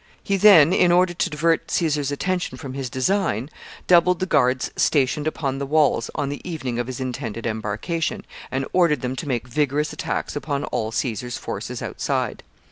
He then, in order to divert Caesar's attention from his design, doubled the guards stationed upon the walls on the evening of his intended embarkation, and ordered them to make vigorous attacks upon all Caesar's forces outside.